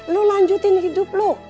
lo lanjutin hidup lo